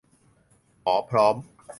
หมอพร้อม